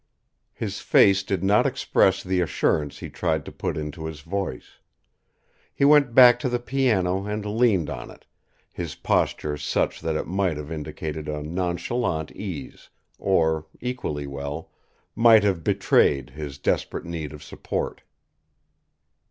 His face did not express the assurance he tried to put into his voice. He went back to the piano and leaned on it, his posture such that it might have indicated a nonchalant ease or, equally well, might have betrayed his desperate need of support.